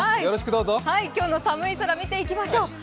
今日の寒い空見ていきましょう。